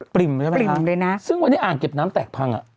ริ่มใช่ไหมปริ่มเลยนะซึ่งวันนี้อ่างเก็บน้ำแตกพังอ่ะ